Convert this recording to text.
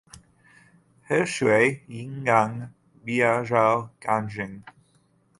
河水应该比较干净